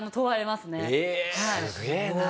すげえな。